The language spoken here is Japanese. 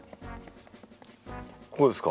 こうですか？